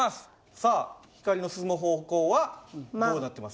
さあ光の進む方向はどうなってます？